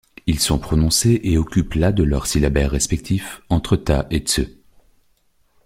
Ils sont prononcés et occupent la de leur syllabaire respectif, entre た et つ.